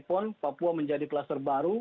papua menjadi kluster baru